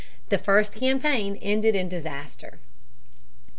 The first campaign ended in disaster.